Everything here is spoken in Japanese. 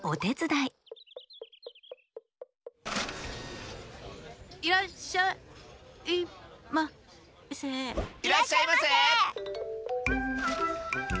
いらっしゃいませ！